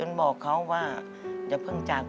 แต่ที่แม่ก็รักลูกมากทั้งสองคน